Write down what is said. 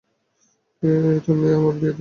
কী, তুমি, আমার বিয়েতে?